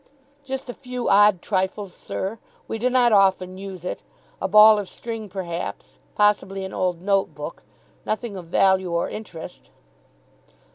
"Just a few odd trifles, sir. We do not often use it. A ball of string, perhaps. Possibly an old note book. Nothing of value or interest."